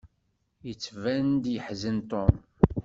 Yettban-d yeḥzen Tom.